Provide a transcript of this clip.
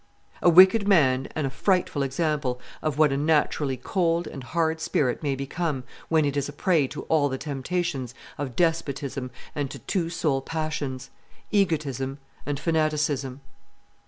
A wicked man and a frightful example of what a naturally cold and hard spirit may become when it is a prey to all the temptations of despotism and to two sole passions, egotism and fanaticism.